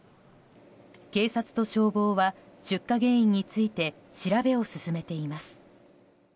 警察と消防は出火原因について調べを進めています。